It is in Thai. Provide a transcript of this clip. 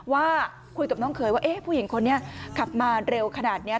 ว่าคุยกับน้องเขยว่าเอ๊ะผู้หญิงคนนี้ขับมาเร็วขนาดนี้